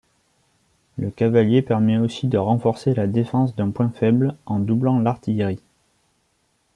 Le cavalier permet aussi de renforcer la défense d'un point faible, en doublant l'artillerie.